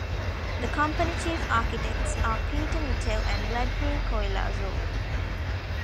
The company chief architects are Peter Mitev and Vladimir Koylazov.